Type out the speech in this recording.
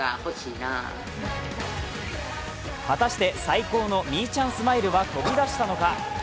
果たして最高のみーちゃんスマイルは飛び出したのか？